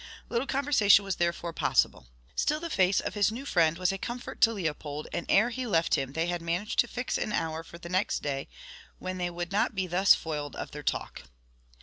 Little conversation was therefore possible. Still the face of his new friend was a comfort to Leopold, and ere he left him they had managed to fix an hour for next day, when they would not be thus foiled of their talk.